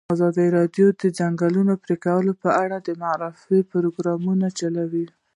ازادي راډیو د د ځنګلونو پرېکول په اړه د معارفې پروګرامونه چلولي.